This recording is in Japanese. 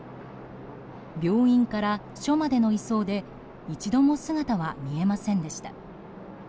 病院から署までの移送で一度も姿は見えませんでした。